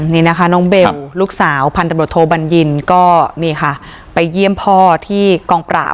นี่นะคะน้องเบลลูกสาวพันธบทโทบัญญินก็นี่ค่ะไปเยี่ยมพ่อที่กองปราบ